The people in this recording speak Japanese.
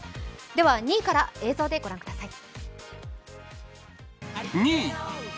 ２位から映像で御覧ください。